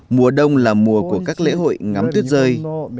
mùa đông là mùa của các lễ hội ngắm tuyết rơi